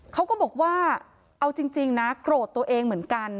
เขาก็บอกว่าเอาจริงนะโกรธตัวเองเหมือนกัน